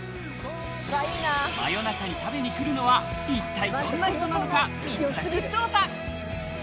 真夜中に食べに来るのは一体どんな人なのか密着調査。